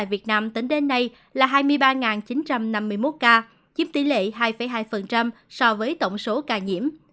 việt nam tính đến nay là hai mươi ba chín trăm năm mươi một ca chiếm tỷ lệ hai hai so với tổng số ca nhiễm